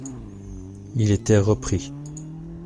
Il était repris.